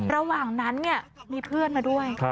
ระหว่างนั้นมีเพื่อนมาด้วย